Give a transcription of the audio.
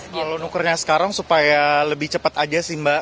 kalau nukernya sekarang supaya lebih cepat aja sih mbak